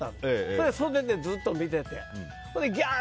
それで、袖でずっと見てて。